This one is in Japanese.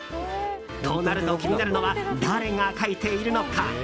となると、気になるのは誰が書いているのか。